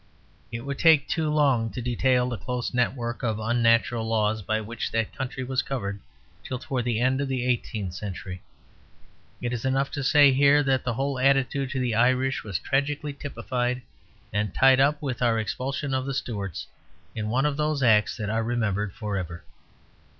It would take too long to detail the close network of unnatural laws by which that country was covered till towards the end of the eighteenth century; it is enough to say here that the whole attitude to the Irish was tragically typified, and tied up with our expulsion of the Stuarts, in one of those acts that are remembered for ever.